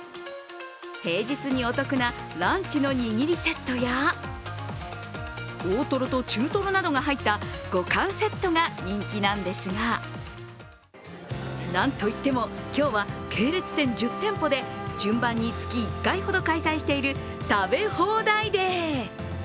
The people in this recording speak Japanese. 平日にお得なランチの握りセットや大トロと中トロなどが入った５貫セットが人気なんですが、なんといっても、今日は系列店１０店舗で順番に月１回ほど開催している食べ放題デー。